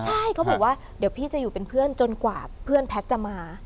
ใช่เขาบอกว่าเดี๋ยวพี่จะอยู่เป็นเพื่อนจนกว่าเพื่อนแพทย์จะมา